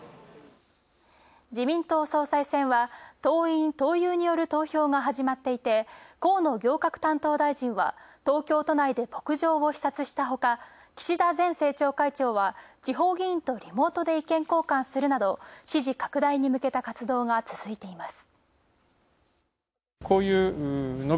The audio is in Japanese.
自民党総裁選は、党員・党友による投票が始まっていて、河野行革担当大臣は東京都内で牧場を視察したほか、岸田前政調会長は、地方議員とリモートで意見交換するなど支持拡大に向けた活動が続いています。